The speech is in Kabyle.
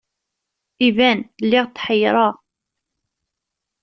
Iban, lliɣ tḥeyyreɣ.